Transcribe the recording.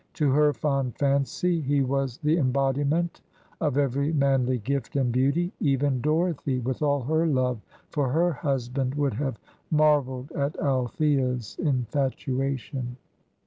To her fond fancy he was the embodiment of every manly gift and beauty; even Dorothy, with all her love for her husband, would have marvelled at Althea's infatuation.